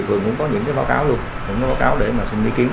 phường cũng có những báo cáo luôn cũng có báo cáo để xin ý kiến